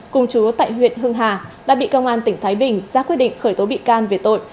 cùng chú tại huyện hưng hà đã bị công an tỉnh thái bình ra quyết định khởi tố bị can về tội